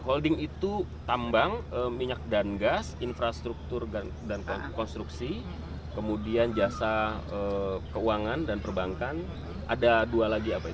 holding itu tambang minyak dan gas infrastruktur dan konstruksi kemudian jasa keuangan dan perbankan ada dua lagi